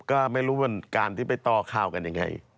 ก็ไม่รู้มันการที่ไปต่อข้าวกันยังไง